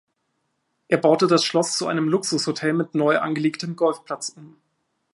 Er baute das Schloss zu einem Luxus-Hotel mit neu angelegtem Golfplatz um.